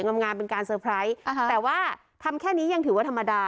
งามเป็นการเตอร์ไพรส์แต่ว่าทำแค่นี้ยังถือว่าธรรมดา